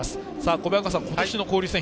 小早川さん、今年の交流戦